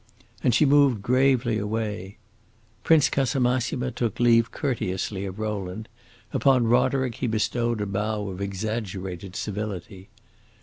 And she moved gravely away. Prince Casamassima took leave courteously of Rowland; upon Roderick he bestowed a bow of exaggerated civility.